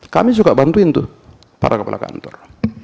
kami suka bantuin tuh para kepala kantor